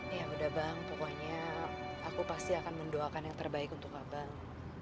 ya udah bang pokoknya aku pasti akan mendoakan yang terbaik untuk abang